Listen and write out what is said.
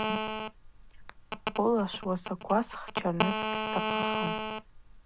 Хвыла швуасаква схчарныс гьстахъым.